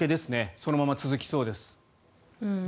そのまま続きそうです。